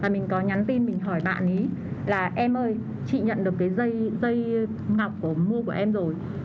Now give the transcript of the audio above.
mình có nhắn tin mình hỏi bạn ý là em ơi chị nhận được cái dây ngọc của mua của em rồi